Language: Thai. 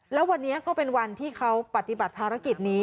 แล้ววันนี้ก็เป็นวันที่เขาปฏิบัติภารกิจนี้